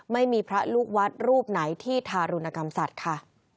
ไม่มีพระลูกวัดรูปไหนที่ทารุณกรรมสัตว์ค่ะ